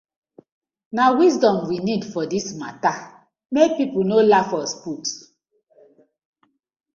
Na wisdom we need for dis matta mek pipus no laugh us put.